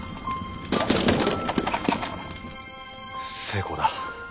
成功だ。